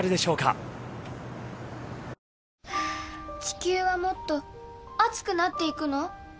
地球はもっと熱くなっていくの？